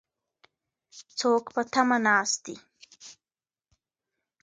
څوک په تمه ناست دي؟